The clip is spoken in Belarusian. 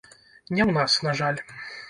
Не ў нас, на жаль.